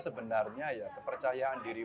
sebenarnya ya kepercayaan diri